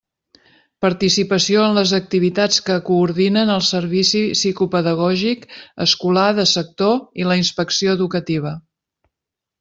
Participació en les activitats que coordinen el servici psicopedagògic escolar de sector i la Inspecció Educativa.